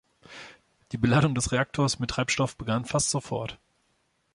Die Beladung des Reaktors mit Treibstoff begann fast sofort.